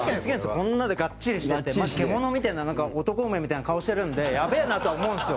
こんなんで、がっちりしててマジ、獣みたいな、なんか男梅みたいな顔してるんでやべえなとは思うんですよ。